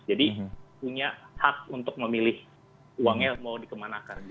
jadi punya hak untuk memilih uangnya mau dikemanakan